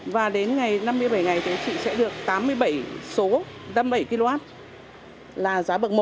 và đến ngày năm mươi bảy ngày thì chị sẽ được tám mươi bảy số năm mươi bảy kw là giá bậc một